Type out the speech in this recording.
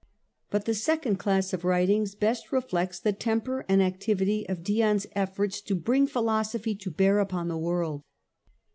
But the second class of writings best reflects the temper and activity of Dion's efforts to bring philosophy to bear upon the world.